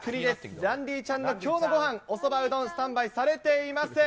ランディちゃんのきょうのごはん、おそば、うどん、スタンバイされていますね。